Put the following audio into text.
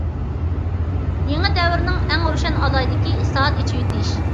يېڭى دەۋرنىڭ ئەڭ روشەن ئالاھىدىلىكى ئىسلاھات، ئېچىۋېتىش.